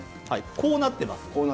こうなってます。